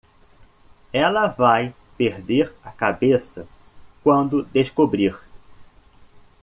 Ela vai perder a cabeça quando descobrir.